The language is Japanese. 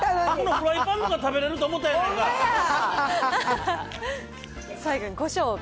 フライパンの食べられると思ったやんか。